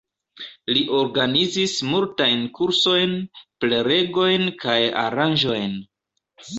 Li organizis multajn kursojn, prelegojn kaj aranĝojn.